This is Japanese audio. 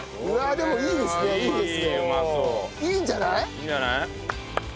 いいんじゃない？